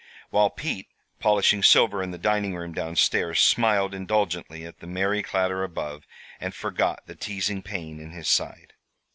While Pete, polishing silver in the dining room down stairs, smiled indulgently at the merry clatter above and forgot the teasing pain in his side.